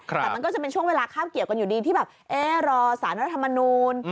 แต่มันก็จะเป็นช่วงเวลาคาบเกี่ยวกันอยู่ดีที่แบบเอ๊ะรอสารรัฐมนูล